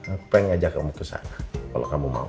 aku pengen ngajak kamu ke sana kalau kamu mau